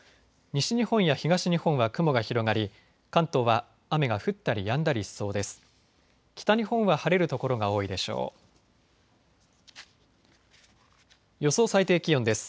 西日本や東日本は雲が広がり関東は雨が降ったりやんだりしそうです。